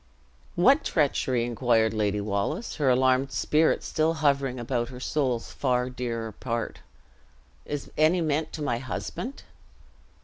"What treachery?" inquired Lady Wallace, her alarmed spirit still hovering about her soul's far dearer part; "is any meant to my husband?"